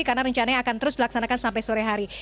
karena rencananya akan terus dilaksanakan sampai sore hari